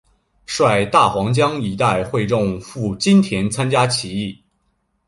率大湟江一带会众赴金田参加起义。